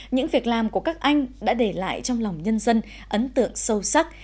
những việc làm của các anh đã để lại trong lòng nhân dân ấn tượng sâu sắc